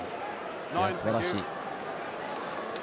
すばらしい。